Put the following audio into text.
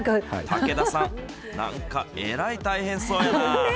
武田さん、なんかえらい大変そうやな。